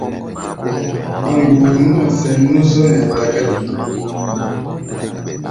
A̧ mgbuu nú-a sɛn nú zɔɔ-ɛ́ɛ́ takáɗi.